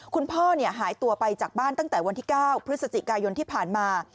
คุณพ่อหายตัวไปจากบ้านตั้งแต่วันที่๙พฤศจิกายนที่ผ่านมา